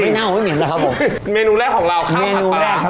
มันก็ไม่เน่าไม่เหม็นแล้วครับผมเมนูแรกของเราข้าวผัดปลาร้า